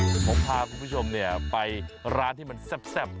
ผมพาคุณผู้ชมไปร้านที่มันแซ่บ